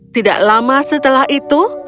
tidak lama setelah itu